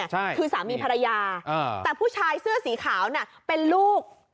ใช่คือสามีภรรยาแต่ผู้ชายเสื้อสีขาวน่ะเป็นลูก